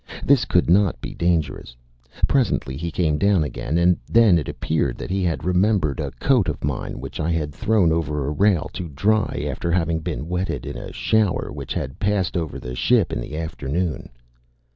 This could not be dangerous. Presently he came down again; and then it appeared that he had remembered a coat of mine which I had thrown over a rail to dry after having been wetted in a shower which had passed over the ship in the afternoon.